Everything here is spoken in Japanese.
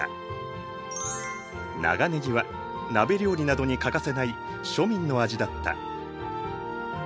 長ねぎは鍋料理などに欠かせない庶民の味だった。